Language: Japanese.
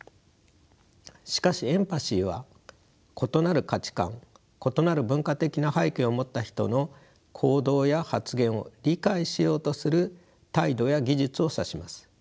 しかしエンパシーは異なる価値観異なる文化的な背景を持った人の行動や発言を理解しようする態度や技術を指します。